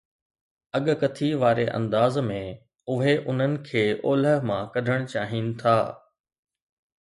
اڳڪٿي واري انداز ۾، اهي انهن کي اولهه مان ڪڍڻ چاهين ٿا.